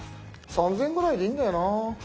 ３，０００円ぐらいでいいんだよな。